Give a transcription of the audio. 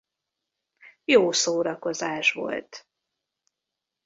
Jó szórakozás volt.